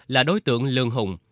là đối tượng lương hùng